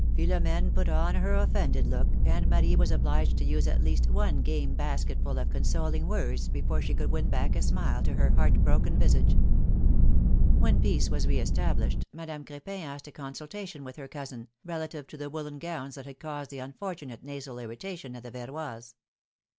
'' Philom^ne put on her offended look, and Marie M''as obliged to use at least one game basketful of consoling words before she could win back a smile to her heartbroken visage. When peace was re established, Madame Crepin asked a consultation with her cousin, relative to the woollen gowns that had caused the unfortunate nasal irritation at the Verroys'.